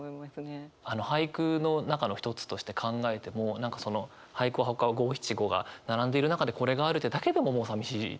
俳句の中の一つとして考えても何かその俳句五七五が並んでいる中でこれがあるってだけでもさみしいですよね。